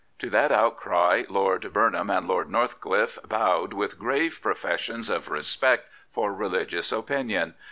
To that outcry Lord Burnham and Lord Northcliffe bowed with grave professions of respect for religious opinion.